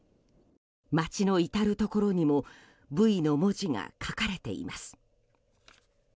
街の至るところにも「Ｖ」の文字が書かれています。